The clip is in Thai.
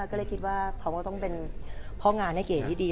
ก็เลยคิดว่าเขาก็ต้องเป็นพ่องานให้เก๋ที่ดี